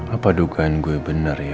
apa dukaan gue benar ya